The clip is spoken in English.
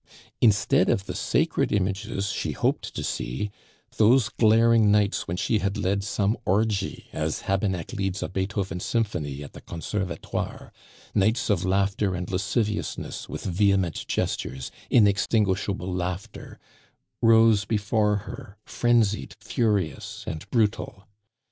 Instead of the sacred images she hoped to see, those glaring nights when she had led some orgy as Habeneck leads a Beethoven symphony at the Conservatoire nights of laughter and lasciviousness, with vehement gestures, inextinguishable laughter, rose before her, frenzied, furious, and brutal.